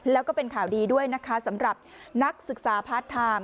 แล้วก็เป็นข่าวดีด้วยนะคะสำหรับนักศึกษาพาร์ทไทม์